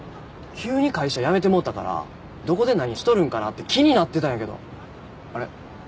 急に会社辞めてもうたからどこで何しとるんかなって気になってたんやけどあれ？